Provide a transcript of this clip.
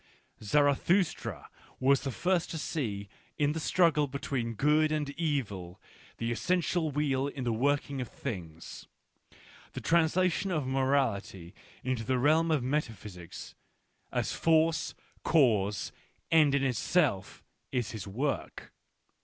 Zarathustra was the first to see in the struggle between good and evil the essential wheel in the working of things. The translation of morality into the realm of meta physics, as force, cause, end in itself, is his work.